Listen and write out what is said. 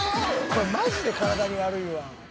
これマジで体に悪いわ。